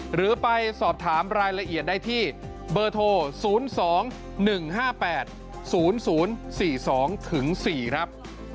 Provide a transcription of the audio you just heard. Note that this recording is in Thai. หรือไปสอบถามรายละเอียดได้ที่เบอร์โทร๐๒๑๕๘๐๐๔๒ถึง๔ครับ